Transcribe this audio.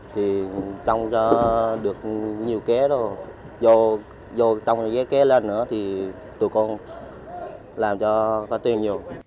thì trong đó được nhiều ké rồi vô trong ké lên nữa thì tụi con làm cho có tiền nhiều